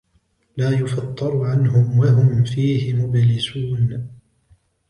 لَا يُفَتَّرُ عَنْهُمْ وَهُمْ فِيهِ مُبْلِسُونَ